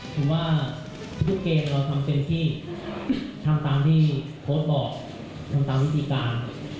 ผมว่าทุกเกมเราทำเต็มที่ทำตามที่โพสต์บอกทำตามวิธีการ